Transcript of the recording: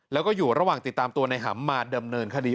แล้วก็อยู่ระหว่างติดตามตัวในหำมาดำเนินคดี